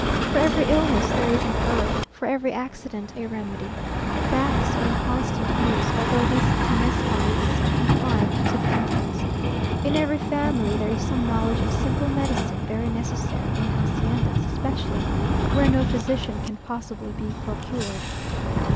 For every illness there is an herb, for every accident a remedy. Baths are in constant use, although these temezcallis are confined to the Indians. In every family there is some knowledge of simple medicine, very necessary, in haciendas especially, where no physician can possibly be procured.